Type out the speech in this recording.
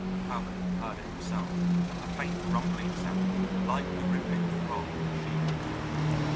Talbot heard it himself, a faint rumbling sound, like the rhythmic throb of machinery.